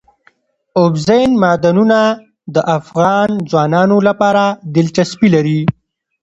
اوبزین معدنونه د افغان ځوانانو لپاره دلچسپي لري.